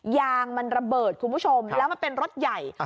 ยางมันระเบิดคุณผู้ชมแล้วมันเป็นรถใหญ่